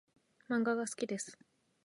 漫画が好きです。